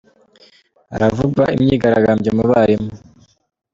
Haravugwa imyigaragambyo mu barimu